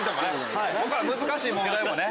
ここから難しい問題もね。